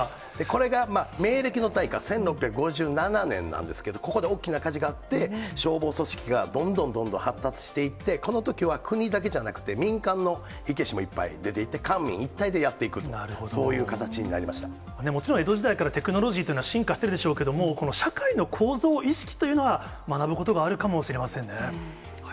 これが明暦の大火、１６５７年なんですけど、ここで大きな火事があって、消防組織がどんどんどんどん発達していって、このときは国だけじゃなくて、民間の火消しもいっぱい出ていって、官民一体でやっていく、もちろん江戸時代からテクノロジーというのは進化してるでしょうけれども、この社会の構造、意識というのは、学ぶことがあるかもしれませんね。